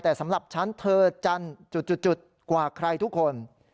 แต่สำหรับฉันเธอจันจุดกว่าใครทุกคน